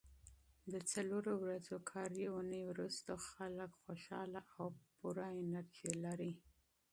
د څلورو ورځو کاري اونۍ وروسته خلک خوشاله او پوره انرژي لري.